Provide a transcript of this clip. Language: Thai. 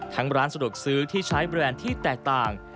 ร้านสะดวกซื้อที่ใช้แบรนด์ที่แตกต่าง